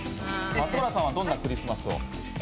松原さんはどんなクリスマスを？